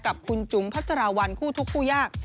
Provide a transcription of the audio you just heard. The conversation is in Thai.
กับคุณจุ๋มพัชราวัลคู่ทุกคู่ยาก